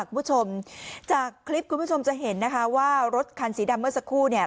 คุณผู้ชมจากคลิปคุณผู้ชมจะเห็นนะคะว่ารถคันสีดำเมื่อสักครู่เนี่ย